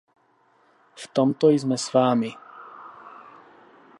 V tomto jsme s vámi.